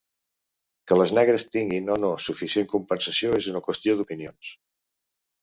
Que les negres tinguin o no suficient compensació és una qüestió d'opinions.